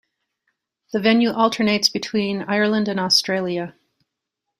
The venue alternates between Ireland and Australia.